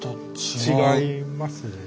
違います